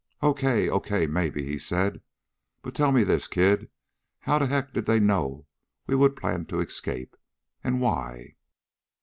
"Okay, okay, maybe," he said. "But tell me this, kid? How the heck did they know we would plan to escape? And why?"